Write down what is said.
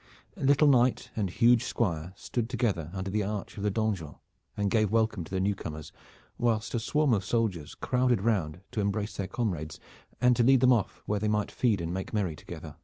Little knight and huge squire stood together under the arch of the donjon and gave welcome to the newcomers, whilst a swarm of soldiers crowded round to embrace their comrades and to lead them off where they might feed and make merry together.